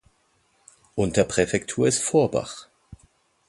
Unterpräfektur ist Forbach.